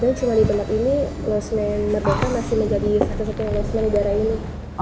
dan cuma di tempat ini lost man merdeka masih menjadi satu satunya lost man di daerah ini